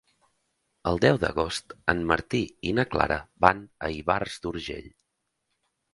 El deu d'agost en Martí i na Clara van a Ivars d'Urgell.